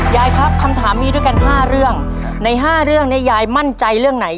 ยายครับคำถามมีด้วยกัน๕เรื่องใน๕เรื่องนี้ยายมั่นใจเรื่องไหน